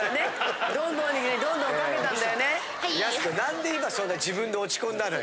何で今そんな自分で落ち込んだのよ。